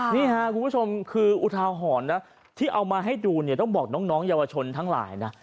นี่ค่ะคุณผู้ชมคืออุทาหรณ์นะที่เอามาให้ดูเนี่ยต้องบอกน้องเยาวชนทั้งหลายนะ